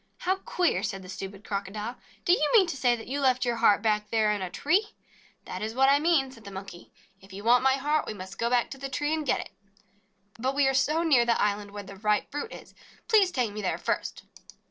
"How queer !" said the stupid Crocodile. "Do you mean to say that you left your heart back there in the tree?" "That is what I mean," said the Monkey. "If you JATAKA TALES want my heart, we must go back to the tree and get it. But we are so near the island where the ripe fruit is, please take me there first."